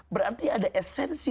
berarti ada esensi